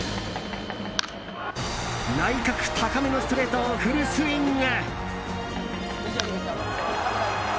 内角高めのストレートをフルスイング！